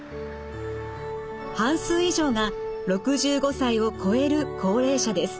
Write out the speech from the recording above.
半数以上が６５歳を越える高齢者です。